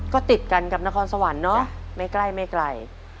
ก็ติดกันกับนครสวรรค์เนอะไม่ใกล้ไม่ไกล